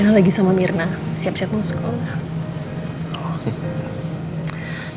rina lagi sama mirna siap dua masuk sekolah